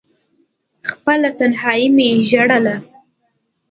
خپله تنهايي مې ژړله…